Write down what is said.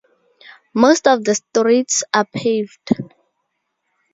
Most of the streets are paved.